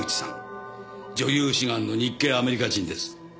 女優志願の日系アメリカ人です。